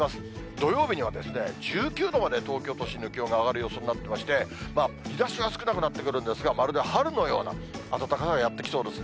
土曜日にはですね、１９度まで東京都心の気温が上がる予想になってまして、日ざしは少なくなってくるんですが、まるで春のような暖かさがやって来そうですね。